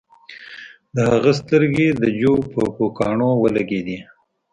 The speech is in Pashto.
د هغه سترګې د جو په پوکاڼو ولګیدې